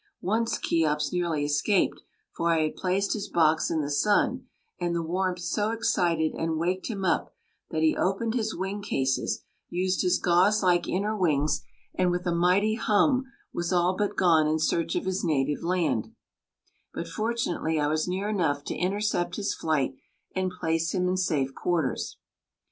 Once Cheops nearly escaped, for I had placed his box in the sun, and the warmth so excited and waked him up that he opened his wing cases, used his gauze like inner wings, and with a mighty hum was all but gone in search of his native land, but fortunately I was near enough to intercept his flight and place him in safe quarters.